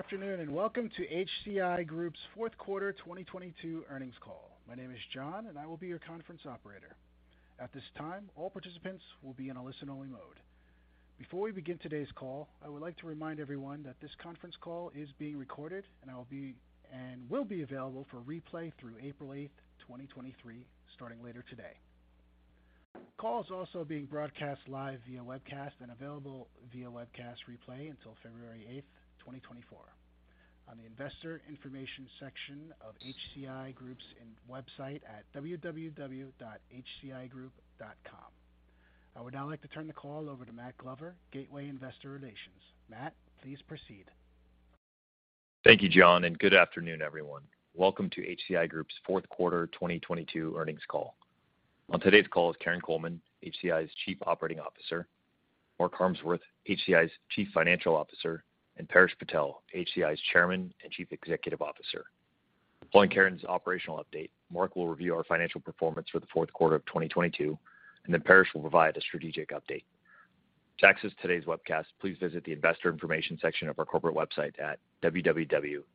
Good afternoon. Welcome to HCI Group's fourth quarter 2022 earnings call. My name is John, and I will be your conference operator. At this time, all participants will be in a listen-only mode. Before we begin today's call, I would like to remind everyone that this conference call is being recorded and will be available for replay through April 8, 2023, starting later today. The call is also being broadcast live via webcast and available via webcast replay until February 8, 2024 on the investor information section of HCI Group's in website at www.hcigroup.com. I would now like to turn the call over to Matt Glover, Gateway Investor Relations. Matt, please proceed. Thank you, John, and good afternoon, everyone. Welcome to HCI Group's fourth quarter 2022 earnings call. On today's call is Karin Coleman, HCI's Chief Operating Officer; Mark Harmsworth, HCI's Chief Financial Officer; and Paresh Patel, HCI's Chairman and Chief Executive Officer. Following Karin's operational update, Mark will review our financial performance for the fourth quarter of 2022, and then Paresh will provide a strategic update. To access today's webcast, please visit the investor information section of our corporate website at www.hcigroup.com.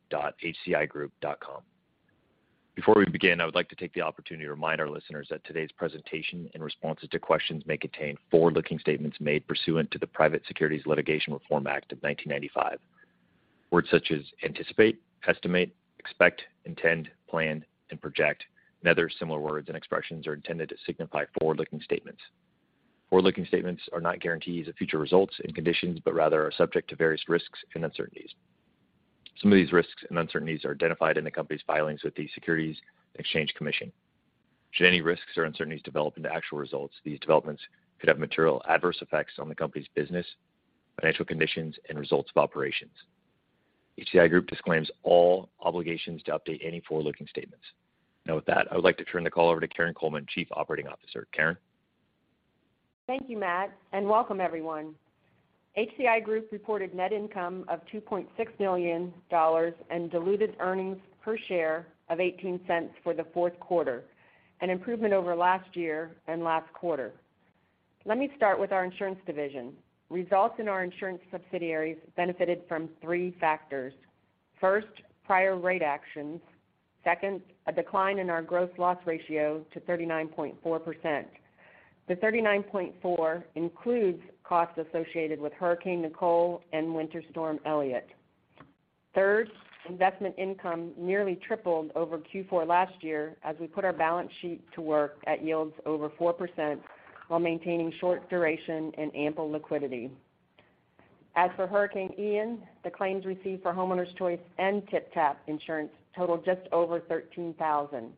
Before we begin, I would like to take the opportunity to remind our listeners that today's presentation and responses to questions may contain forward-looking statements made pursuant to the Private Securities Litigation Reform Act of 1995. Words such as anticipate, estimate, expect, intend, plan, and project, and other similar words and expressions are intended to signify forward-looking statements. Forward-looking statements are not guarantees of future results and conditions, but rather are subject to various risks and uncertainties. Some of these risks and uncertainties are identified in the company's filings with the Securities and Exchange Commission. Should any risks or uncertainties develop into actual results, these developments could have material adverse effects on the company's business, financial conditions and results of operations. HCI Group disclaims all obligations to update any forward-looking statements. Now, with that, I would like to turn the call over to Karin Coleman, Chief Operating Officer. Karin? Thank you, Matt. Welcome everyone. HCI Group reported net income of $2.6 million and diluted earnings per share of $0.18 for the fourth quarter, an improvement over last year and last quarter. Let me start with our insurance division. Results in our insurance subsidiaries benefited from three factors. First, prior rate actions. Second, a decline in our gross loss ratio to 39.4%. The 39.4% includes costs associated with Hurricane Nicole and Winter Storm Elliott. Third, investment income nearly tripled over Q4 last year as we put our balance sheet to work at yields over 4% while maintaining short duration and ample liquidity. As for Hurricane Ian, the claims received for Homeowners Choice and TypTap Insurance totaled just over 13,000.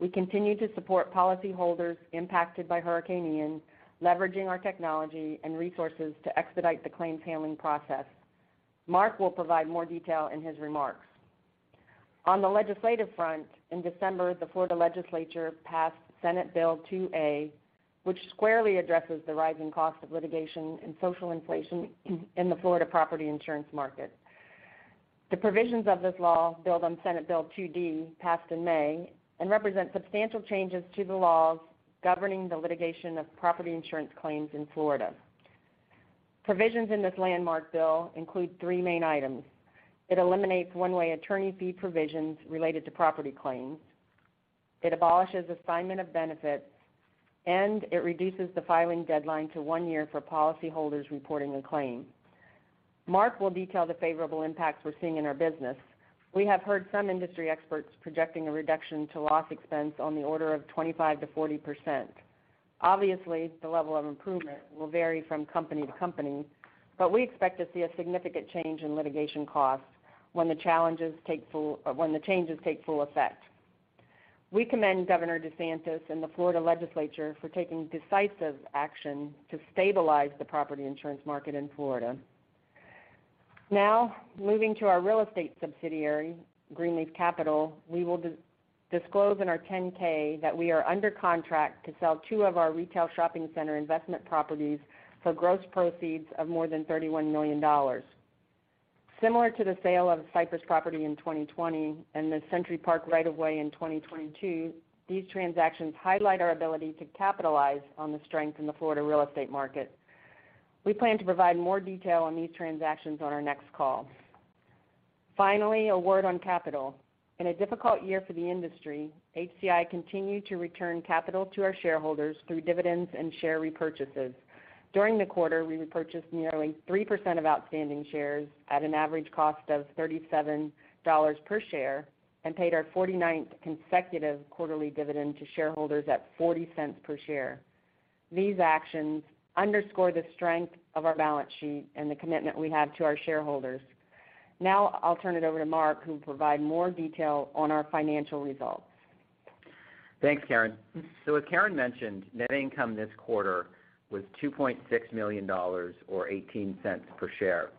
We continue to support policyholders impacted by Hurricane Ian, leveraging our technology and resources to expedite the claims handling process. Mark will provide more detail in his remarks. On the legislative front, in December, the Florida legislature passed Senate Bill 2-A, which squarely addresses the rising cost of litigation and social inflation in the Florida property insurance market. The provisions of this law build on Senate Bill 2-D, passed in May, and represent substantial changes to the laws governing the litigation of property insurance claims in Florida. Provisions in this landmark bill include three main items. It eliminates one-way attorney fee provisions related to property claims. It abolishes assignment of benefits, and it reduces the filing deadline to one year for policyholders reporting a claim. Mark will detail the favorable impacts we're seeing in our business. We have heard some industry experts projecting a reduction to loss expense on the order of 25%-40%. Obviously, the level of improvement will vary from company to company, but we expect to see a significant change in litigation costs when the changes take full effect. We commend Governor DeSantis and the Florida legislature for taking decisive action to stabilize the property insurance market in Florida. Now, moving to our real estate subsidiary, Greenleaf Capital, we will disclose in our 10-K that we are under contract to sell two of our retail shopping center investment properties for gross proceeds of more than $31 million. Similar to the sale of the Cypress property in 2020 and the Century Park right of way in 2022, these transactions highlight our ability to capitalize on the strength in the Florida real estate market. We plan to provide more detail on these transactions on our next call. Finally, a word on capital. In a difficult year for the industry, HCI continued to return capital to our shareholders through dividends and share repurchases. During the quarter, we repurchased nearly 3% of outstanding shares at an average cost of $37 per share and paid our 49th consecutive quarterly dividend to shareholders at $0.40 per share. These actions underscore the strength of our balance sheet and the commitment we have to our shareholders. Now I'll turn it over to Mark, who will provide more detail on our financial results. Thanks, Karin. As Karin mentioned, net income this quarter was $2.6 million or $0.18 per share.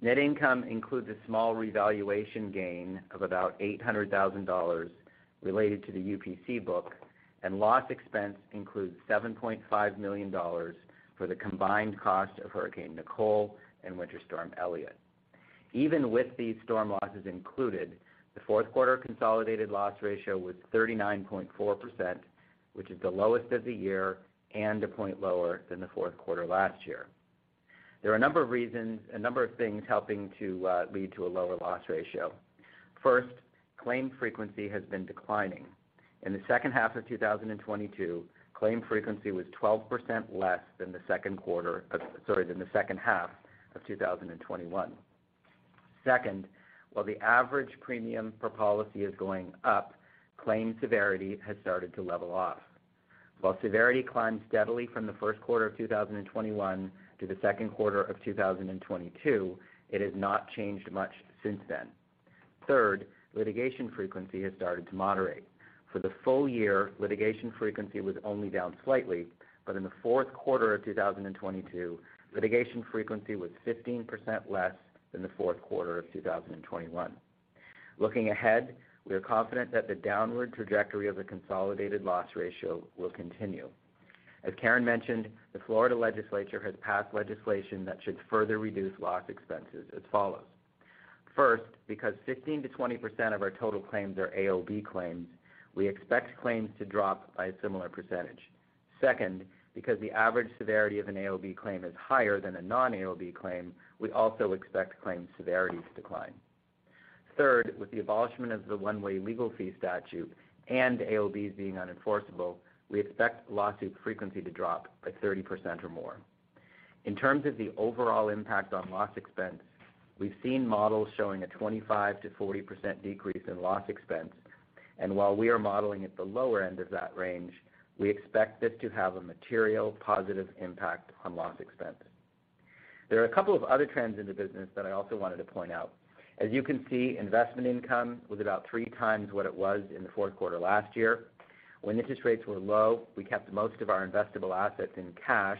Net income includes a small revaluation gain of about $800,000 related to the UPC book, and loss expense includes $7.5 million for the combined cost of Hurricane Nicole and Winter Storm Elliott. Even with these storm losses included, the fourth quarter consolidated loss ratio was 39.4%, which is the lowest of the year and a point lower than the fourth quarter last year. There are a number of reasons, a number of things helping to lead to a lower loss ratio. First, claim frequency has been declining. In the second half of 2022, claim frequency was 12% less than the second half of 2021. Second, while the average premium per policy is going up, claim severity has started to level off. While severity climbed steadily from the first quarter of 2021 to the second quarter of 2022, it has not changed much since then. Third, litigation frequency has started to moderate. For the full year, litigation frequency was only down slightly, but in the fourth quarter of 2022, litigation frequency was 15% less than the fourth quarter of 2021. Looking ahead, we are confident that the downward trajectory of the consolidated loss ratio will continue. As Karin mentioned, the Florida Legislature has passed legislation that should further reduce loss expenses as follows. First, because 15%-20% of our total claims are AOB claims, we expect claims to drop by a similar percentage. Second, because the average severity of an AOB claim is higher than a non-AOB claim, we also expect claims severities to decline. Third, with the abolishment of the one-way legal fee statute and AOBs being unenforceable, we expect lawsuit frequency to drop by 30% or more. In terms of the overall impact on loss expense, we've seen models showing a 25%-40% decrease in loss expense, and while we are modeling at the lower end of that range, we expect this to have a material positive impact on loss expense. There are a couple of other trends in the business that I also wanted to point out. As you can see, investment income was about three times what it was in the fourth quarter last year. When interest rates were low, we kept most of our investable assets in cash.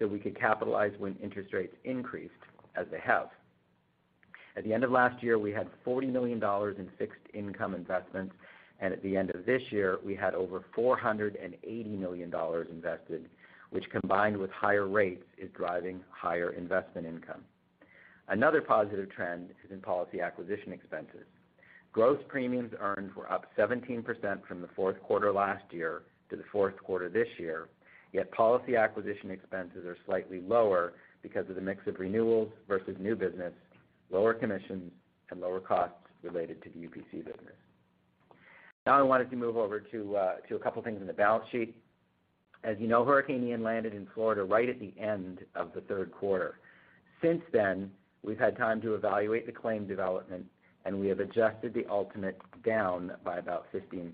We could capitalize when interest rates increased, as they have. At the end of last year, we had $40 million in fixed income investments, and at the end of this year, we had over $480 million invested, which, combined with higher rates, is driving higher investment income. Another positive trend is in policy acquisition expenses. Gross premiums earned were up 17% from the fourth quarter last year to the fourth quarter this year, yet policy acquisition expenses are slightly lower because of the mix of renewals versus new business, lower commissions, and lower costs related to the UPC business. I wanted to move over to a couple of things in the balance sheet. As you know, Hurricane Ian landed in Florida right at the end of the third quarter. Since then, we've had time to evaluate the claim development, and we have adjusted the ultimate down by about 15%.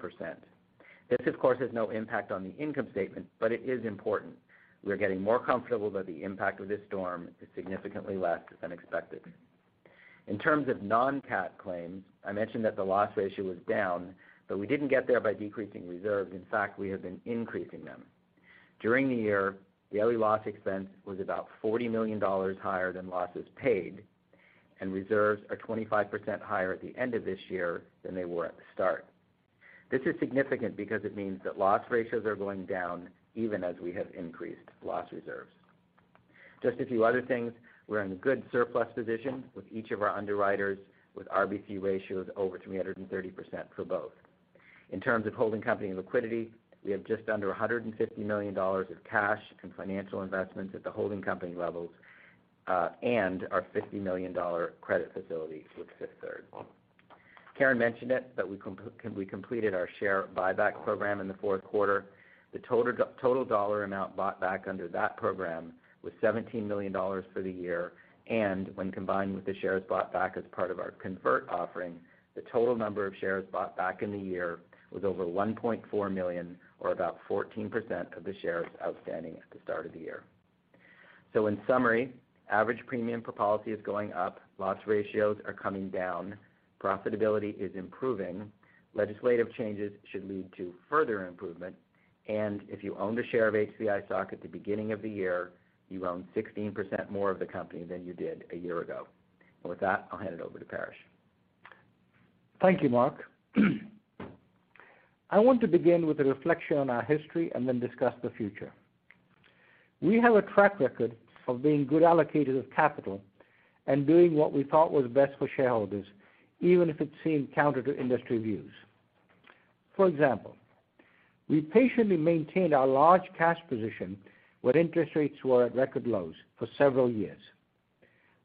This of course has no impact on the income statement, but it is important. We're getting more comfortable that the impact of this storm is significantly less than expected. In terms of non-cat claims, I mentioned that the loss ratio was down, but we didn't get there by decreasing reserves. In fact, we have been increasing them. During the year, the LE loss expense was about $40 million higher than losses paid. Reserves are 25% higher at the end of this year than they were at the start. This is significant because it means that loss ratios are going down even as we have increased loss reserves. Just a few other things, we're in a good surplus position with each of our underwriters, with RBC ratios over 330% for both. In terms of holding company liquidity, we have just under $150 million of cash and financial investments at the holding company levels, and our $50 million credit facility with Fifth Third. Karin mentioned it, we completed our share buyback program in the fourth quarter. The total dollar amount bought back under that program was $17 million for the year and when combined with the shares bought back as part of our convert offering, the total number of shares bought back in the year was over 1.4 million or about 14% of the shares outstanding at the start of the year. In summary, average premium per policy is going up, loss ratios are coming down, profitability is improving, legislative changes should lead to further improvement, and if you owned a share of HCI stock at the beginning of the year, you own 16% more of the company than you did a year ago. With that, I'll hand it over to Paresh. Thank you, Mark. I want to begin with a reflection on our history and then discuss the future. We have a track record of being good allocators of capital and doing what we thought was best for shareholders, even if it seemed counter to industry views. For example, we patiently maintained our large cash position when interest rates were at record lows for several years.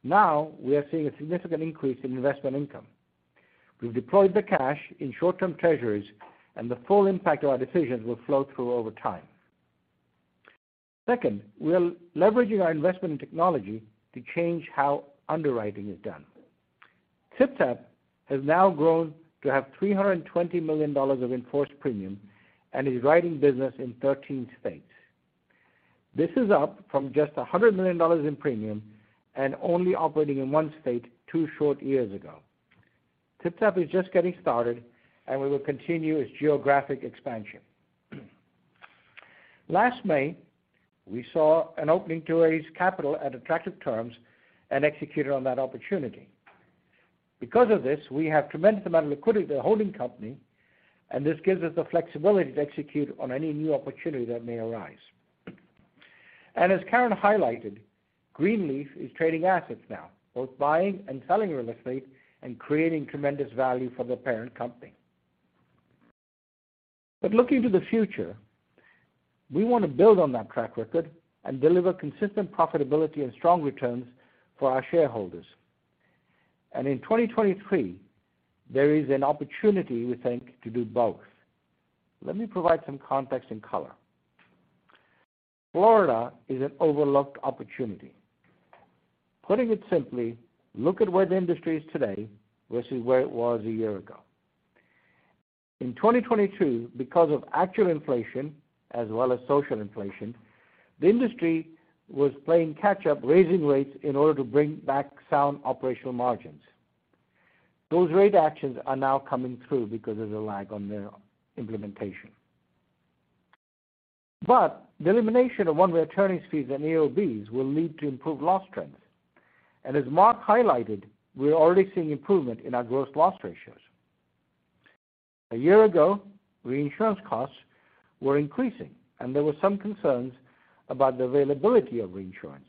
We are seeing a significant increase in investment income. We've deployed the cash in short-term treasuries. The full impact of our decisions will flow through over time. Second, we are leveraging our investment in technology to change how underwriting is done. TypTap has now grown to have $320 million of enforced premium and is writing business in 13 states. This is up from just $100 million in premium and only operating in one state two short years ago. TypTap is just getting started. We will continue its geographic expansion. Last May, we saw an opening to raise capital at attractive terms and executed on that opportunity. Because of this, we have tremendous amount of liquidity at the holding company, and this gives us the flexibility to execute on any new opportunity that may arise. As Karin highlighted, Greenleaf is trading assets now, both buying and selling real estate and creating tremendous value for the parent company. Looking to the future, we want to build on that track record and deliver consistent profitability and strong returns for our shareholders. In 2023, there is an opportunity we think to do both. Let me provide some context and color. Florida is an overlooked opportunity. Putting it simply, look at where the industry is today versus where it was a year ago. In 2022, because of actual inflation as well as social inflation, the industry was playing catch up, raising rates in order to bring back sound operational margins. Those rate actions are now coming through because there's a lag on their implementation. The elimination of one-way attorneys fees and AOBs will lead to improved loss trends. As Mark highlighted, we're already seeing improvement in our gross loss ratios. A year ago, reinsurance costs were increasing, and there were some concerns about the availability of reinsurance.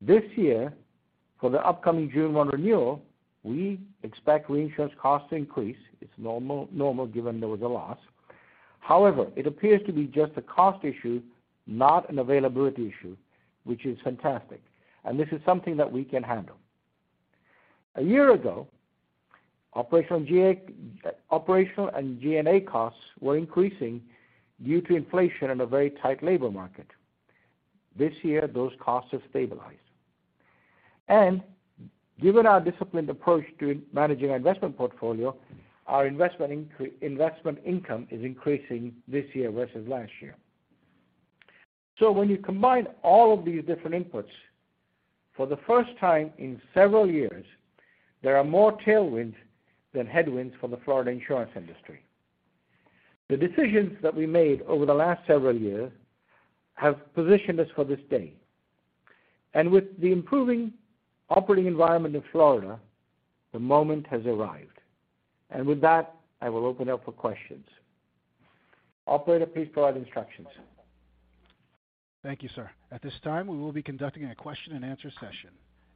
This year, for the upcoming June 1 renewal, we expect reinsurance costs to increase. It's normal given there was a loss. However, it appears to be just a cost issue, not an availability issue, which is fantastic. This is something that we can handle. A year ago, operational and G&A costs were increasing due to inflation in a very tight labor market. This year, those costs have stabilized. Given our disciplined approach to managing our investment portfolio, our investment income is increasing this year versus last year. When you combine all of these different inputs, for the first time in several years, there are more tailwinds than headwinds for the Florida insurance industry. The decisions that we made over the last several years have positioned us for this day. With the improving operating environment in Florida, the moment has arrived. With that, I will open up for questions. Operator, please provide instructions. Thank you, sir. At this time, we will be conducting a question-and-answer session.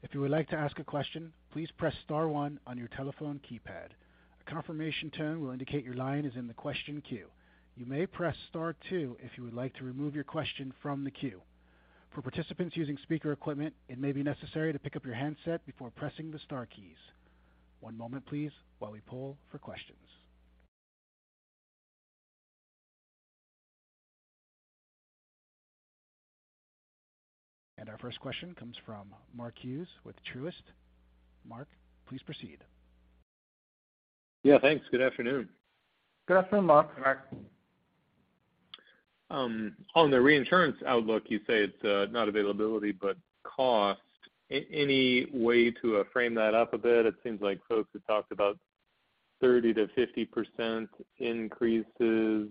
If you would like to ask a question, please press star one on your telephone keypad. A confirmation tone will indicate your line is in the question queue. You may press star two if you would like to remove your question from the queue. For participants using speaker equipment, it may be necessary to pick up your handset before pressing the star keys. One moment please while we poll for questions. Our first question comes from Mark Hughes with Truist. Mark, please proceed. Yeah, thanks. Good afternoon. Good afternoon, Mark. On the reinsurance outlook, you say it's not availability but cost. Any way to frame that up a bit? It seems like folks have talked about 30% to 50% increases.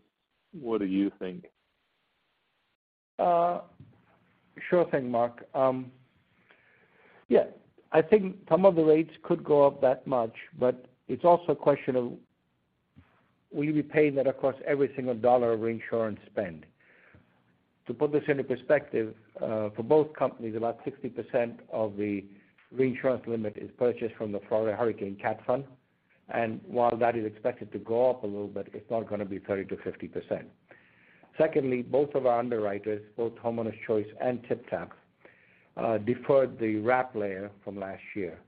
What do you think? Sure thing, Mark. Yeah, I think some of the rates could go up that much, but it's also a question of will you be paying that across every single dollar of reinsurance spend. To put this into perspective, for both companies, about 60% of the reinsurance limit is purchased from the Florida Hurricane Catastrophe Fund. While that is expected to go up a little bit, it's not gonna be 30%-50%. Secondly, both of our underwriters, both Homeowners Choice and TypTap, deferred the wrap layer from last year.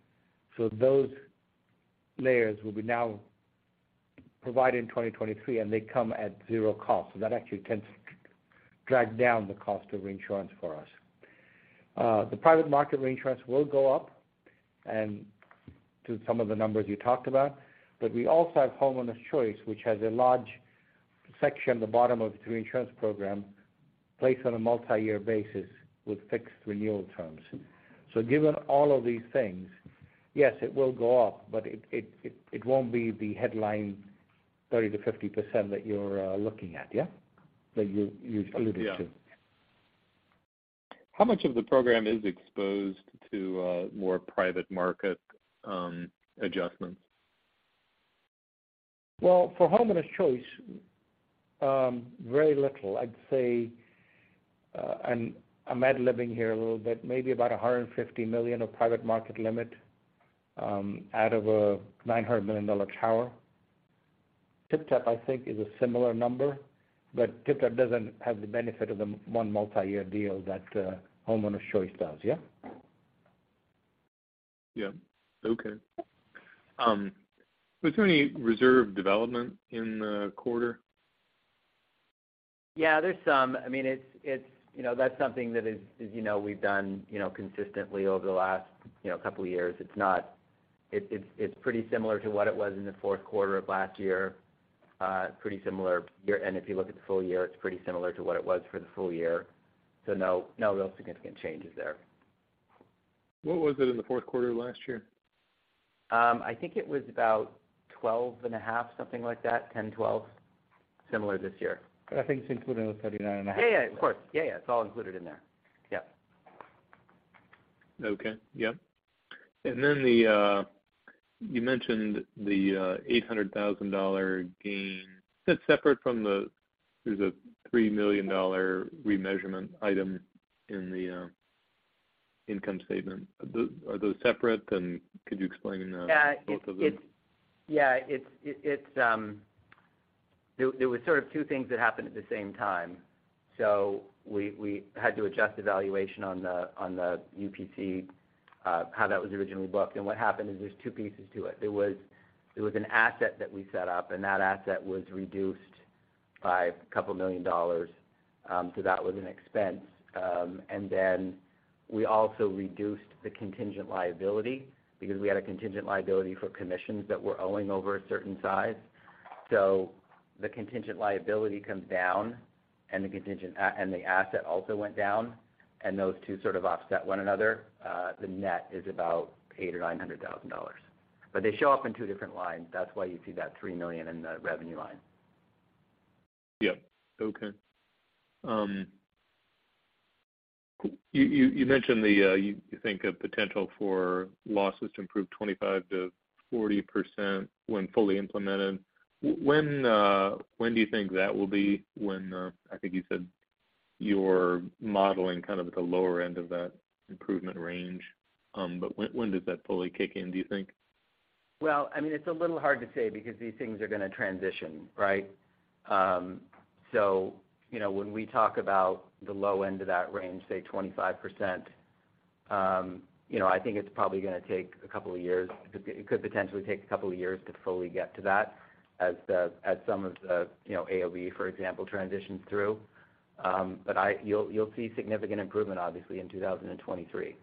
Those layers will be now provided in 2023, and they come at $0 cost. That actually tends to drag down the cost of reinsurance for us. The private market reinsurance will go up and to some of the numbers you talked about. We also have Homeowners Choice, which has a large section at the bottom of its reinsurance program placed on a multi-year basis with fixed renewal terms. Given all of these things, yes, it will go up, but it won't be the headline 30%-50% that you're looking at, yeah? That you alluded to. How much of the program is exposed to more private market adjustments? Well, for Homeowners Choice, very little. I'd say, I'm ad-libbing here a little bit, maybe about $150 million of private market limit, out of a $900 million tower. TypTap, I think, is a similar number, but TypTap doesn't have the benefit of the one multi-year deal that Homeowners Choice does. Yeah? Yeah. Okay. Was there any reserve development in the quarter? Yeah, there's some. I mean, it's, you know, that's something that is, as you know, we've done, you know, consistently over the last, you know, couple years. It's pretty similar to what it was in the fourth quarter of last year. Pretty similar year. If you look at the full year, it's pretty similar to what it was for the full year. No, no real significant changes there. What was it in the fourth quarter of last year? I think it was about 12.5%, something like that, 10%, 12%. Similar this year. I think it's included in the 39.5. Yeah. Of course. Yeah. It's all included in there. Yep. Okay. Yep. You mentioned the $800,000 gain. That's separate from the, there's a $3 million remeasurement item in the income statement. Are those separate? Could you explain both of them? It's. There was sort of two things that happened at the same time. We had to adjust the valuation on the UPC, how that was originally booked. What happened is there's two pieces to it. There was an asset that we set up, and that asset was reduced by a couple million dollars. That was an expense. We also reduced the contingent liability because we had a contingent liability for commissions that were owing over a certain size. The contingent liability comes down, and the asset also went down, and those two sort of offset one another. The net is about $800,000 or $900,000. They show up in two different lines. That's why you see that $3 million in the revenue line. Yeah. Okay. You mentioned the, you think a potential for losses to improve 25%-40% when fully implemented. When do you think that will be when, I think you said you're modeling kind of at the lower end of that improvement range, but when does that fully kick in, do you think? Well, I mean, it's a little hard to say because these things are gonna transition, right? You know, when we talk about the low end of that range, say 25%, you know, I think it's probably gonna take a couple of years. It could potentially take a couple of years to fully get to that as the, as some of the, you know, AOB, for example, transitions through. But you'll see significant improvement obviously in 2023.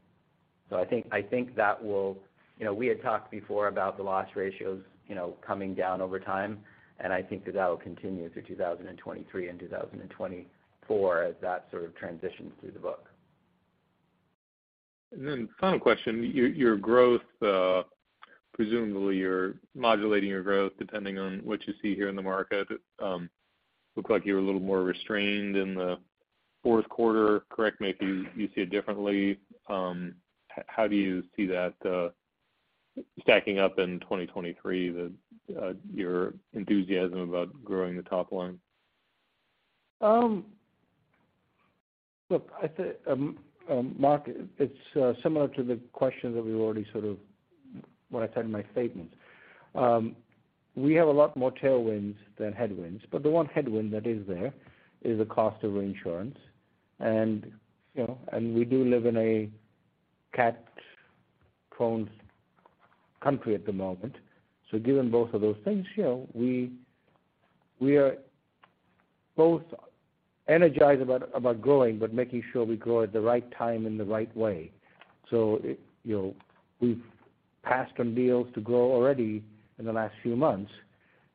I think, I think that will... You know, we had talked before about the loss ratios, you know, coming down over time, and I think that that will continue through 2023 and 2024 as that sort of transitions through the book. Final question. Your growth, presumably you're modulating your growth depending on what you see here in the market. Looks like you're a little more restrained in the fourth quarter. Correct me if you see it differently. How do you see that stacking up in 2023, the your enthusiasm about growing the top line? Look, I think, Mark, it's similar to the question that we already what I said in my statement. We have a lot more tailwinds than headwinds, but the one headwind that is there is the cost of reinsurance. You know, and we do live in a cat-prone country at the moment. Given both of those things, you know, we are both energized about growing, but making sure we grow at the right time in the right way. You know, we've passed on deals to grow already in the last few months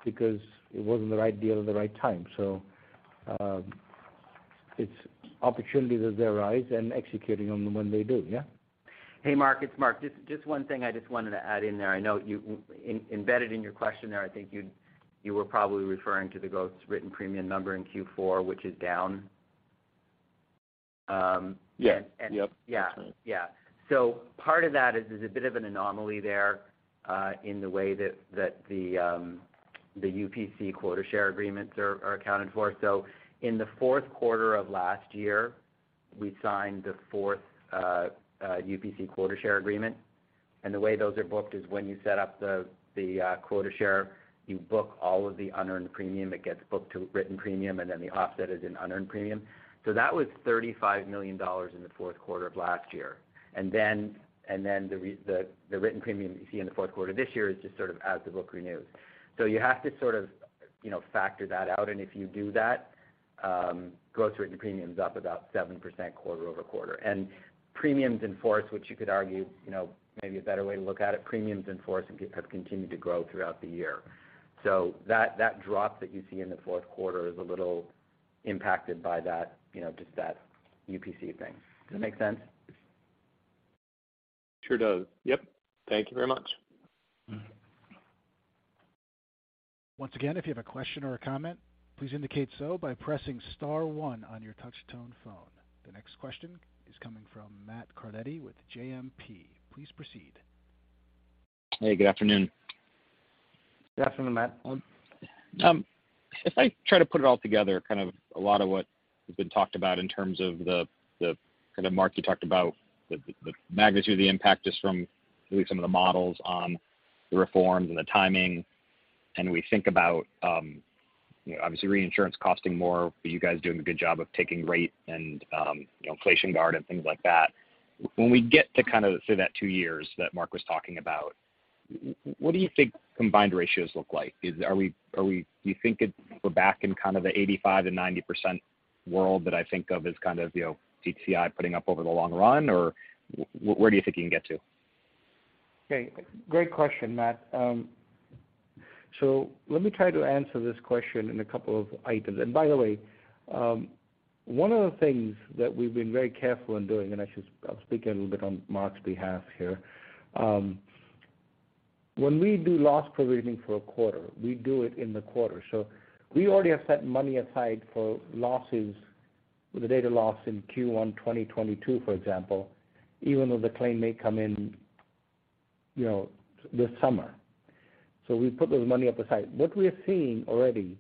because it wasn't the right deal at the right time. It's opportunities as they arise and executing on them when they do, yeah. Hey, Mark, it's Mark. Just one thing I just wanted to add in there. I know embedded in your question there, I think you were probably referring to the gross written premium number in Q4, which is down. Yeah. Yep. Yeah. Yeah. Part of that is, there's a bit of an anomaly there, in the way that the UPC quota share agreements are accounted for. In the fourth quarter of last year, we signed the fourth UPC quota share agreement. And the way those are booked is when you set up the quota share, you book all of the unearned premium. It gets booked to written premium, and then the offset is in unearned premium. That was $35 million in the fourth quarter of last year. And then the written premium you see in the fourth quarter this year is just sort of as the book renews. You have to sort of, you know, factor that out. If you do that, gross written premium's up about 7% quarter-over-quarter. Premiums in force, which you could argue, you know, may be a better way to look at it, premiums in force have continued to grow throughout the year. That, that drop that you see in the fourth quarter is a little impacted by that, you know, just that UPC thing. Does that make sense? Sure does. Yep. Thank you very much. Mm-hmm. Once again, if you have a question or a comment, please indicate so by pressing star one on your touch tone phone. The next question is coming from Matthew Carletti with JMP. Please proceed. Hey, good afternoon. Good afternoon, Matt. If I try to put it all together, kind of a lot of what has been talked about in terms of the kind of Mark, you talked about the magnitude of the impact just from really some of the models on the reforms and the timing. We think about, you know, obviously reinsurance costing more, but you guys doing a good job of taking rate and, you know, inflation guard and things like that. When we get to kind of say that two years that Mark was talking about, what do you think combined ratios look like? Are we back in kind of the 85% and 90% world that I think of as kind of, you know, HCI putting up over the long run, or where do you think you can get to? Great question, Matt. Let me try to answer this question in a couple of items. By the way, one of the things that we've been very careful in doing, I'll speak a little bit on Mark's behalf here. When we do loss provisioning for a quarter, we do it in the quarter. We already have set money aside for losses with the data loss in Q1 2022, for example, even though the claim may come in. You know, this summer. We put those money up aside. What we're seeing already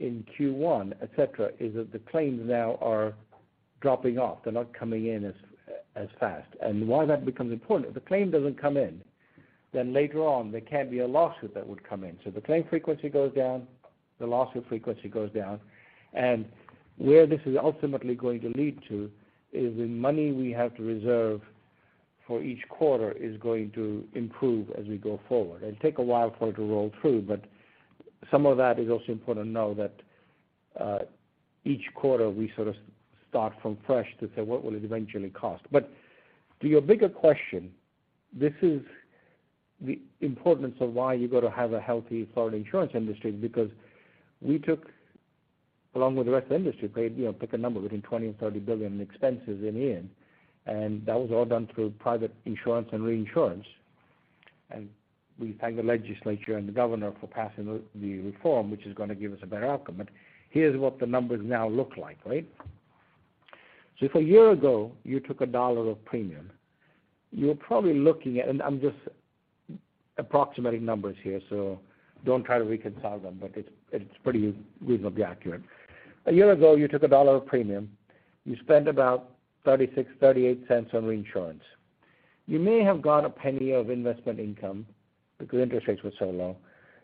in Q1, et cetera, is that the claims now are dropping off. They're not coming in as fast. Why that becomes important, if the claim doesn't come in, then later on there can be a lawsuit that would come in. The claim frequency goes down, the lawsuit frequency goes down. Where this is ultimately going to lead to is the money we have to reserve for each quarter is going to improve as we go forward. It'll take a while for it to roll through, but some of that is also important to know that each quarter we sort of start from fresh to say, "What will it eventually cost?" To your bigger question, this is the importance of why you got to have a healthy Florida insurance industry, because we took, along with the rest of the industry, paid, you know, pick a number, between $20 billion and $30 billion in expenses in Ian, and that was all done through private insurance and reinsurance. We thank the legislature and the Governor for passing the reform, which is gonna give us a better outcome. Here's what the numbers now look like, right? If a year ago you took $1 of premium, you're probably looking at. I'm just approximating numbers here, so don't try to reconcile them, but it's pretty reasonably accurate. A year ago, you took $1 of premium, you spent about $0.36-$0.38 on reinsurance. You may have got $0.01 of investment income because interest rates were so low.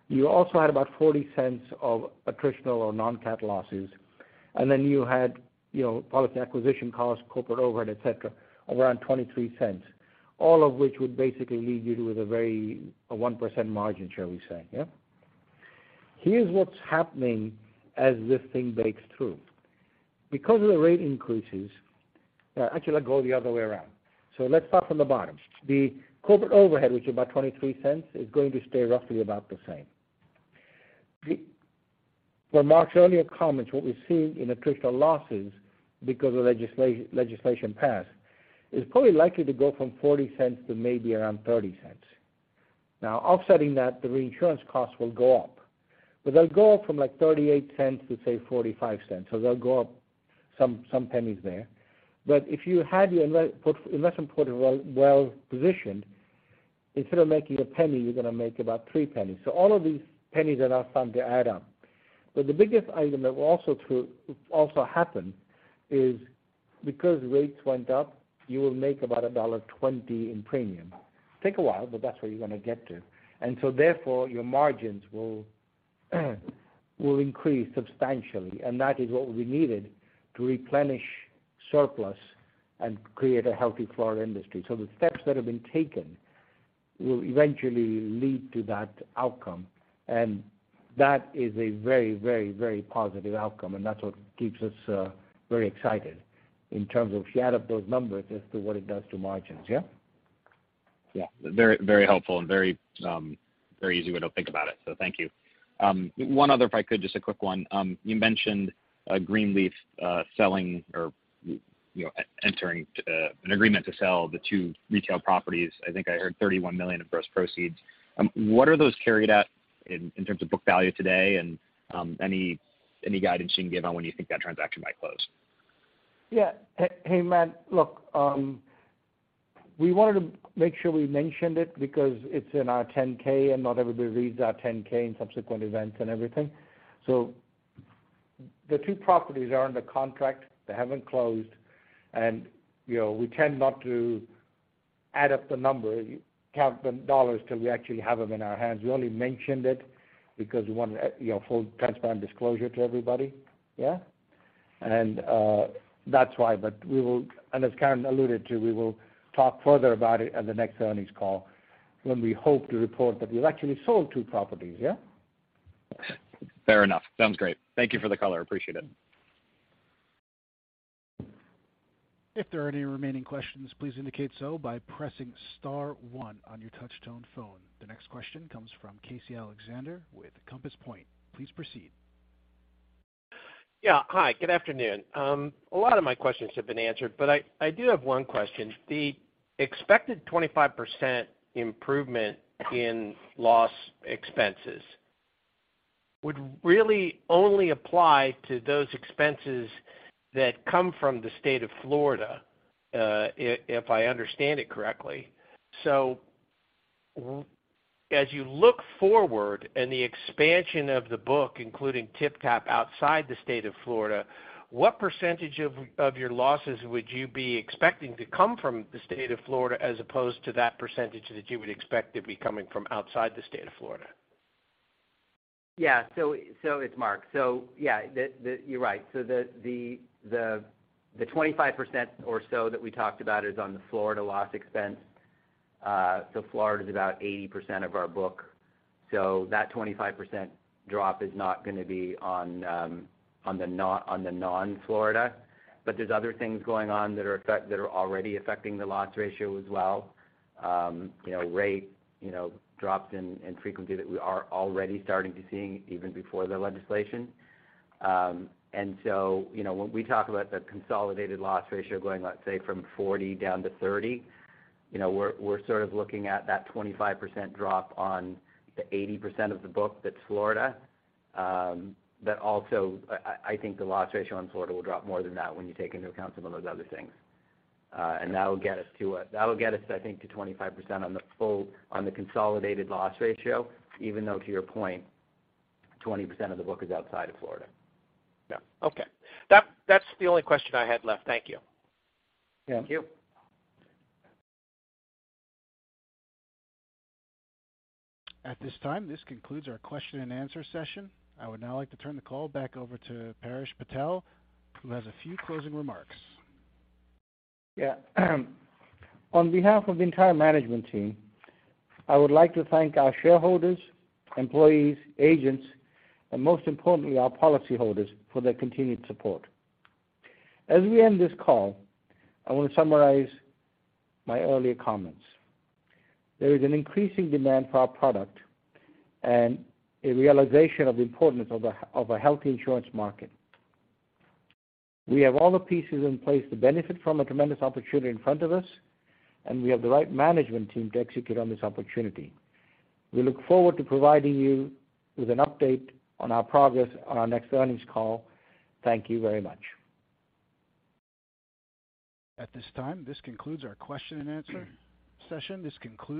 You also had about $0.40 of attritional or non-cat losses. Then you had, you know, policy acquisition costs, corporate overhead, et cetera, around $0.23, all of which would basically leave you with a very, a 1% margin share, we say, yeah? What's happening as this thing bakes through. Because of the rate increases-- Actually let's go the other way around. Let's start from the bottom. The corporate overhead, which is about $0.23, is going to stay roughly about the same. For Mark's earlier comments, what we're seeing in attritional losses because of legislation passed, is probably likely to go from $0.40 to maybe around $0.30. Now, offsetting that, the reinsurance costs will go up. They'll go up from, like, $0.38 to, say, $0.45. They'll go up some pennies there. If you had your investment portfolio well positioned, instead of making $0.01, you're gonna make about $0.03. All of these pennies are now starting to add up. The biggest item that will also happen is because rates went up, you will make about $1.20 in premium. Take a while, but that's where you're gonna get to. Therefore, your margins will increase substantially, and that is what we needed to replenish surplus and create a healthy Florida industry. The steps that have been taken will eventually lead to that outcome. That is a very, very, very positive outcome, and that's what keeps us very excited in terms of if you add up those numbers as to what it does to margins, yeah? Yeah. Very helpful and very, very easy way to think about it, so thank you. One other, if I could, just a quick one. You mentioned, Greenleaf, selling or, you know, entering, an agreement to sell the two retail properties. I think I heard $31 million in gross proceeds. What are those carried at in terms of book value today? Any, any guidance you can give on when you think that transaction might close? Yeah. Hey, Matt, look, we wanted to make sure we mentioned it because it's in our 10-K and not everybody reads our 10-K in subsequent events and everything. The two properties are under contract. They haven't closed. you know, we tend not to add up the number, count the dollars till we actually have them in our hands. We only mentioned it because we want, you know, full transparent disclosure to everybody, yeah? that's why. we will, and as Karin alluded to, we will talk further about it at the next earnings call when we hope to report that we've actually sold two properties, yeah? Fair enough. Sounds great. Thank you for the color. Appreciate it. If there are any remaining questions, please indicate so by pressing star one on your touch tone phone. The next question comes from Casey Alexander with Compass Point. Please proceed. Yeah. Hi, good afternoon. A lot of my questions have been answered, but I do have one question. The expected 25% improvement in loss expenses would really only apply to those expenses that come from the State of Florida, if I understand it correctly. As you look forward and the expansion of the book, including TypTap outside the State of Florida, what percentage of your losses would you be expecting to come from the State of Florida as opposed to that percentage that you would expect to be coming from outside the State of Florida? It's Mark. You're right. The 25% or so that we talked about is on the Florida loss expense. Florida is about 80% of our book. That 25% drop is not gonna be on the non-Florida. There's other things going on that are already affecting the loss ratio as well. You know, rate, you know, drops in frequency that we are already starting to seeing even before the legislation. You know, when we talk about the consolidated loss ratio going, let's say, from 40 down to 30, you know, we're sort of looking at that 25% drop on the 80% of the book that's Florida. Also I, I think the loss ratio on Florida will drop more than that when you take into account some of those other things. That'll get us, I think, to 25% on the full, on the consolidated loss ratio, even though, to your point, 20% of the book is outside of Florida. Yeah. Okay. That's the only question I had left. Thank you. Yeah. Thank you. At this time, this concludes our question and answer session. I would now like to turn the call back over to Paresh Patel, who has a few closing remarks. On behalf of the entire management team, I would like to thank our shareholders, employees, agents, and most importantly, our policyholders for their continued support. As we end this call, I want to summarize my earlier comments. There is an increasing demand for our product and a realization of the importance of a healthy insurance market. We have all the pieces in place to benefit from a tremendous opportunity in front of us, we have the right management team to execute on this opportunity. We look forward to providing you with an update on our progress on our next earnings call. Thank you very much. At this time, this concludes our question and answer session.